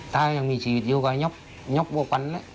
ถ้ายังมีชีวิตอยู่ก็นยบนยบววกรรณเลย